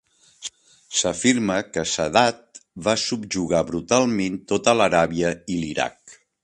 S'afirma que Shaddad va subjugar brutalment tota l'Aràbia i l'Iraq.